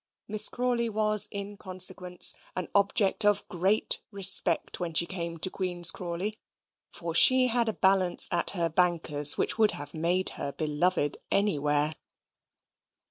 Miss Crawley was, in consequence, an object of great respect when she came to Queen's Crawley, for she had a balance at her banker's which would have made her beloved anywhere.